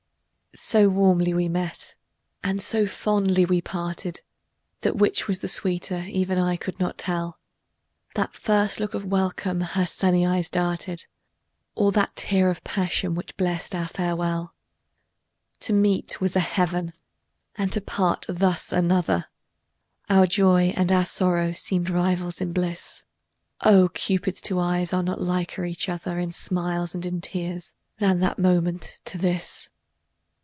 So warmly we met and so fondly we parted, That which was the sweeter even I could not tell, That first look of welcome her sunny eyes darted, Or that tear of passion, which blest our farewell. To meet was a heaven and to part thus another, Our joy and our sorrow seemed rivals in bliss; Oh! Cupid's two eyes are not liker each other In smiles and in tears than that moment to this.